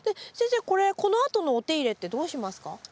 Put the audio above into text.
先生これこのあとのお手入れってどうしますか？